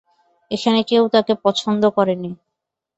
এখানে কেউ তাকে পছন্দ করেনি।